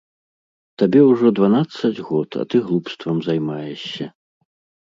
Табе ўжо дванаццаць год, а ты глупствам займаешся.